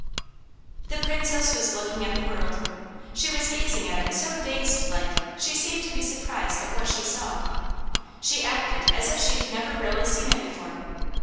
The Princess was looking at the world. She was gazing at it so dazed like she seemed to be surprised at what she saw. She acted as if she'd never really seen it before.